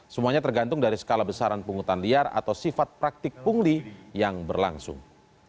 semuanya tergantung dari skala besaran pungutan liar atau sifat praktik pungli yang berlangsung